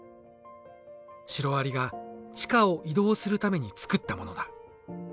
シロアリが地下を移動するために作ったものだ。